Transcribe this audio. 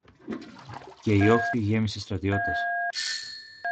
Και η όχθη γέμισε στρατιώτες.